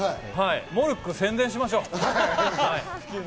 モルックを宣伝しましょう。